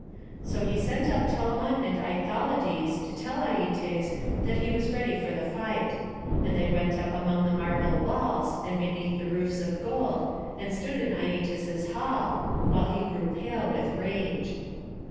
So he sent up Telamon and Aithalides to tell Aietes that he was ready for the fight; and they went up among the marble walls, and beneath the roofs of gold, and stood in Aietes's hall, while he grew pale with rage.